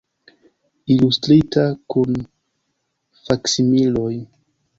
Ilustrita, kun faksimiloj.